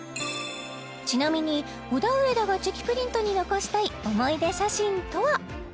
ちなみにオダウエダがチェキプリントに残したい思い出写真とは？